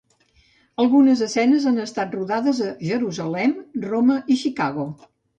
Algunes escenes han estat rodades a Jerusalem, Roma i Chicago.